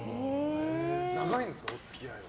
長いんですか、お付き合いは。